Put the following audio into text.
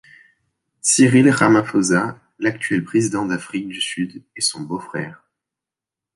Cyril Ramaphosa, l'actuel président d'Afrique du Sud, est son beau-frère.